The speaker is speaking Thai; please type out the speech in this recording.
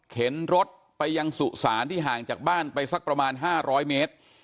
รถไปยังสุสานที่ห่างจากบ้านไปสักประมาณ๕๐๐เมตร